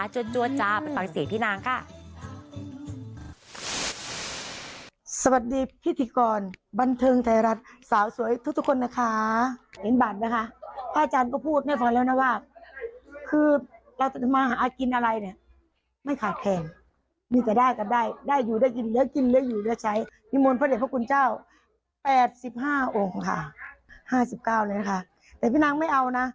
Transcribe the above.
จัดจัวจ๊ะไปฟังเสียที่นางค่ะ